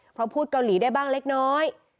เพราะพูดเกาหลีได้บ้างเล็กน้อย